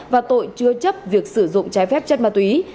và tội chứa chấp việc sử dụng trái phép chất ma túy